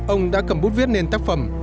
ông đã cầm bút viết nền tác phóng